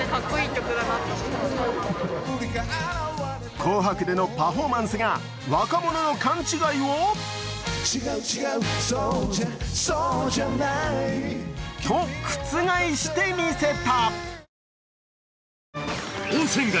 「紅白」でのパフォーマンスが若者の勘違いをと、覆してみせた。